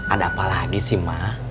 ada apa lagi sih ma